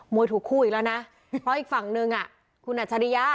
วยถูกคู่อีกแล้วนะเพราะอีกฝั่งนึงคุณอัจฉริยะ